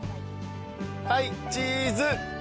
はいチーズはい。